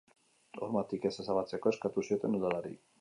Hormatik ez ezabatzeko eskatu zioten udalari.